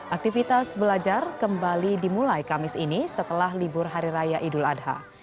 aktivitas belajar kembali dimulai kamis ini setelah libur hari raya idul adha